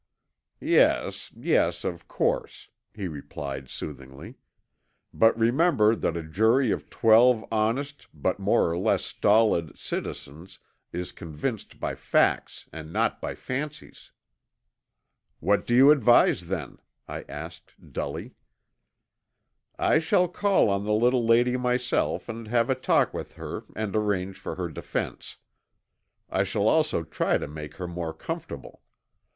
"Yes, yes, of course," he replied soothingly. "But remember that a jury of twelve honest, but more or less stolid, citizens is convinced by facts and not by fancies." "What do you advise then?" I asked dully. "I shall call on the little lady myself and have a talk with her and arrange for her defense. I shall also try to make her more comfortable.